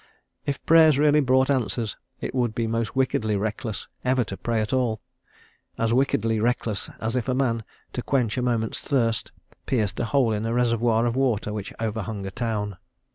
If Prayers really brought answers it would be most wickedly reckless ever to pray at all, as wickedly reckless as if a man, to quench a moment's thirst, pierced a hole in a reservoir of water which overhung a town.